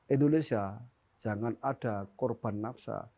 indonesia jangan ada korban nafsa